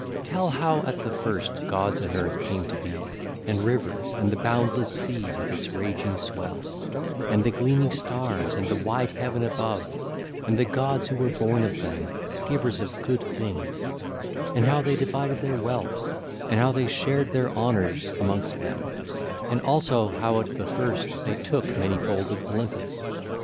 Tell how at the first gods and earth came to be, and rivers, and the boundless sea with its raging swell, and the gleaming stars, and the wide heaven above, and the gods who were born of them, givers of good things, and how they divided their wealth, and how they shared their honours amongst them, and also how at the first they took many folded Olympus.